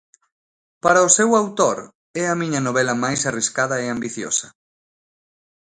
Para o seu autor é a miña novela máis arriscada e ambiciosa.